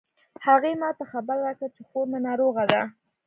هغې ما ته خبر راکړ چې خور می ناروغه ده